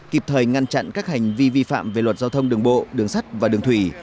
kịp thời ngăn chặn các hành vi vi phạm về luật giao thông đường bộ đường sắt và đường thủy